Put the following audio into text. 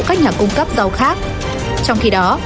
các nhà cung cấp rau khác trong khi đó